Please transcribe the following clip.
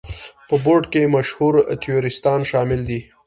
په بورډ کې مشهور تیوریستان شامل دي.